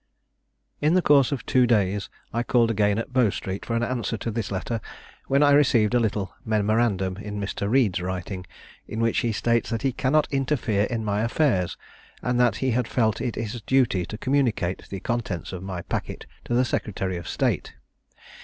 "In the course of two days I called again at Bow Street for an answer to this letter, when I received a little memorandum, in Mr. Reid's writing, in which he states that he cannot interfere in my affairs, and that he had felt it his duty to communicate the contents of my packet to the secretary of state.